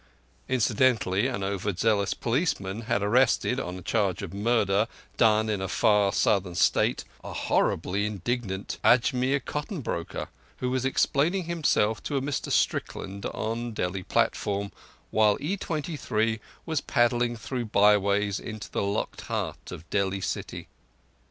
Incidentally, an over zealous policeman had arrested, on charge of murder done in a far southern State, a horribly indignant Ajmir cotton broker, who was explaining himself to a Mr Strickland on Delhi platform, while E23 was paddling through byways into the locked heart of Delhi city.